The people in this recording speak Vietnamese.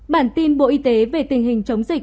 bản tin bộ y tế về tình hình chống dịch